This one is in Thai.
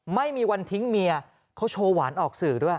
ไม่มีวันทิ้งเมียเขาโชว์หวานออกสื่อด้วย